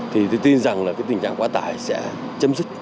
thì tôi tin rằng là cái tình trạng quá tải sẽ chấm dứt